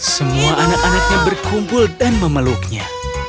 semua anak anaknya berkumpul dan memeluknya